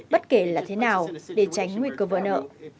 bất kể là thế nào để tránh nguy cơ vỡ nợ